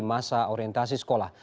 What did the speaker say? masa orientasi sekolah